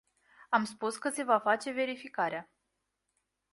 Am spus că se va face verificarea.